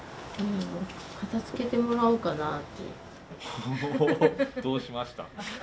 ほおどうしました？